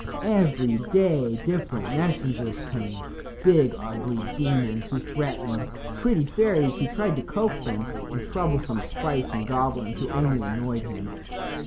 Every day different messengers came big, ugly demons who threatened, pretty fairies who tried to coax him, and troublesome sprites and goblins who only annoyed him.